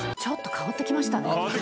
香ってきましたか？